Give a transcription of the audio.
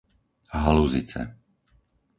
Haluzice